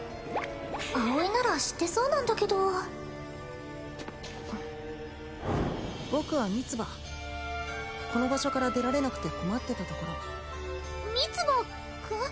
葵なら知ってそうなんだけど僕はミツバこの場所から出られなくて困ってたところミツバくん？